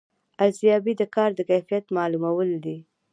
ارزیابي د کار د کیفیت معلومول دي